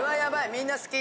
みんな好き！